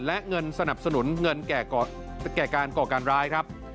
และเงินสนับสนุนเงินแก่การก่อการร้ายครับ